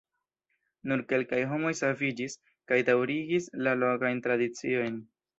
Nur kelkaj homoj saviĝis, kaj daŭrigis la lokajn tradiciojn.